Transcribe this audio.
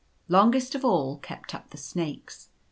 Longest of all kept up the snakes.